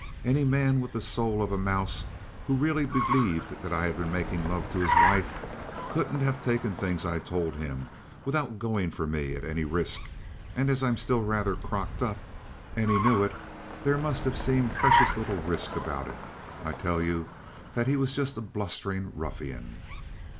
Any man with the soul of a mouse who really believed that I had been making love to his wife, couldn't have taken the things I told him without going for me at any risk. And as I'm still rather crocked up, and he knew it, there must have seemed precious little risk about it. I tell you that he was just a blustering ruffian."